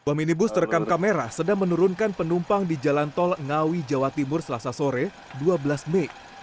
sebuah minibus terekam kamera sedang menurunkan penumpang di jalan tol ngawi jawa timur selasa sore dua belas mei